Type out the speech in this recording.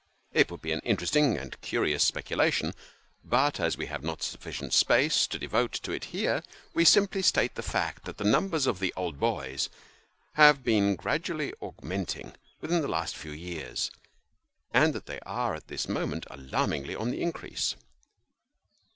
It would be an interesting and curious speculation, but, as we have not sufficient space to devote to it here, we simply state the fact that the numbers of the old boys have been gradually augmenting within the last few years, and that they are at this moment alarmingly on the increase.